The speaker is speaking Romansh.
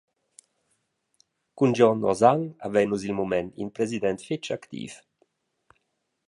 Cun Gion Hosang havein nus il mument in president fetg activ.